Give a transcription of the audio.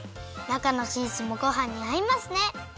なかのチーズもごはんにあいますね！